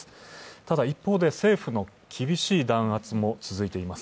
ただ一方で政府の厳しい弾圧も続いています。